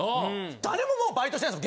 誰ももうバイトしてないんすよ